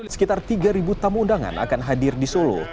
sekitar tiga tamu undangan akan hadir di solo